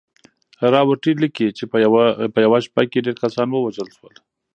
راورټي ليکي چې په يوه شپه کې ډېر کسان ووژل شول.